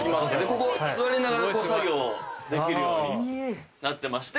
ここ座りながらこう作業できるようになってまして。